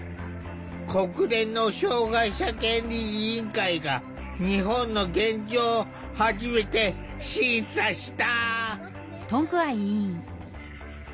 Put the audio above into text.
国連の障害者権利委員会が日本の現状を初めて審査した。